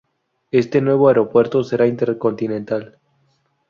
Este nuevo aeropuerto será Intercontinental.